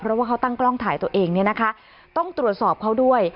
เพราะว่าเขาตั้งกล้องถ่ายตัวเองเนี่ยนะคะต้องตรวจสอบเขาด้วย